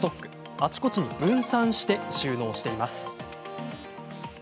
あちこちに分散して収納しています。